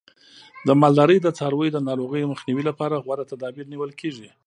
د مالدارۍ د څارویو د ناروغیو مخنیوي لپاره غوره تدابیر نیول کېږي.